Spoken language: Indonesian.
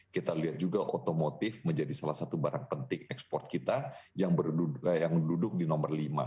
kita lihat juga otomotif menjadi salah satu barang penting ekspor kita yang duduk di nomor lima